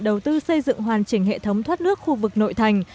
đầu tư xây dựng hoàn chỉnh hệ thống thoát nước khu vực nội thành